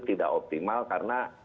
tidak optimal karena